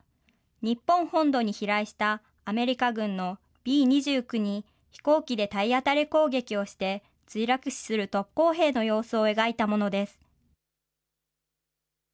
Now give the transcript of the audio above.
日本本土に飛来したアメリカ軍のＢ２９に飛行機で体当たり攻撃をして、墜落死する特攻兵の様子を描いたものです。